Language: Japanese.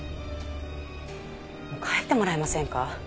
もう帰ってもらえませんか。